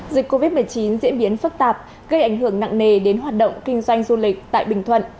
dịch covid một mươi chín diễn biến phức tạp gây ảnh hưởng nặng nề đến hoạt động kinh doanh du lịch tại bình thuận